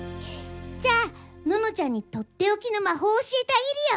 じゃあののちゃんにとっておきのまほうを教えてあげるよ。